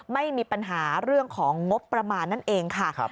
ไม่มีปัญหาเรื่องของงบประมาณนั่นเองค่ะ